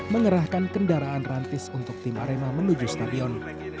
mengerahkan kendaraan rantis untuk tim arema menuju stadion